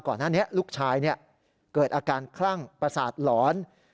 ก่อนหน้านี้ลูกชายเกิดอาการคลั่งประสาทหลอน